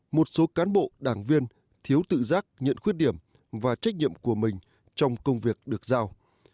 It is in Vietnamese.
một số cán bộ đảng viên thiếu tự giác nhận khuyết điểm và trách nhiệm của mình trong công việc được giao